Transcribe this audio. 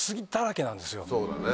そうだね。